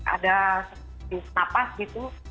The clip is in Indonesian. ada di nafas gitu